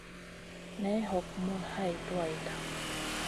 Nay hog mul hay duwayda.